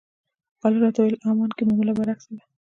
خالد راته وویل عمان کې معامله برعکس ده.